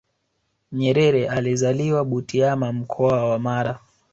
nyerere alizaliwa butiama mkoa wa mara